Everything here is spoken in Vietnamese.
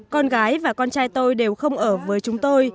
con gái và con trai tôi đều không ở với chúng tôi